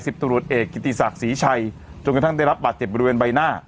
ตำรวจเอกกิติศักดิ์ศรีชัยจนกระทั่งได้รับบาดเจ็บบริเวณใบหน้า